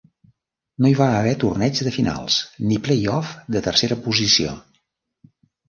No hi va haver torneig de finals ni playoff de tercera posició.